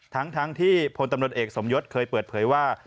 ทั้งที่พลตำรวจเอกสมยศเคยเปิดเผยว่า